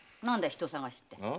人捜しって。